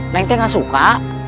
neng aku gak suka